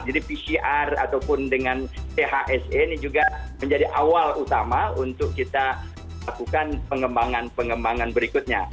jadi pcr ataupun dengan thse ini juga menjadi awal utama untuk kita lakukan pengembangan pengembangan berikutnya